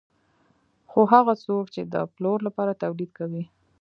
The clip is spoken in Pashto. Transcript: خو هغه څوک چې د پلور لپاره تولید کوي